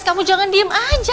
kamu jangan diem aja